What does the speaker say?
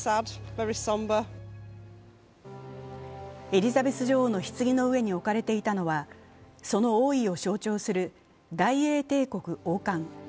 エリザベス女王のひつぎの上に置かれていたのはその王位を象徴する大英帝国王冠。